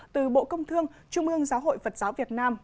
từ bộ công thương trung ương giáo hội phật giáo việt nam